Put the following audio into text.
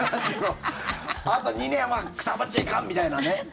あと２年はくたばっちゃいかんみたいなね。